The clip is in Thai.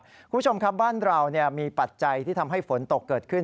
คุณผู้ชมครับบ้านเรามีปัจจัยที่ทำให้ฝนตกเกิดขึ้น